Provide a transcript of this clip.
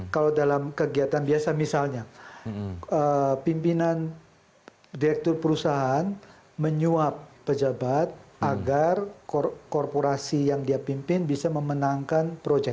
kalau dalam kegiatan biasa misalnya pimpinan direktur perusahaan menyuap pejabat agar korporasi yang dia pimpin bisa memenangkan proyek